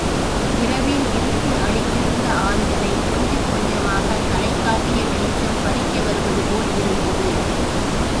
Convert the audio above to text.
இரவின் இருட்டு அளித்திருந்த ஆறுதலைக் கொஞ்சம் கொஞ்சமாகத் தலைகாட்டிய வெளிச்சம் பறிக்க வருவது போல் இருந்தது.